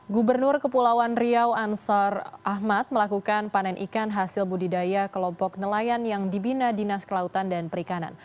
gubernur kepulauan riau ansar ahmad melakukan panen ikan hasil budidaya kelompok nelayan yang dibina dinas kelautan dan perikanan